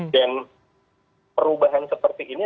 dan perubahan seperti ini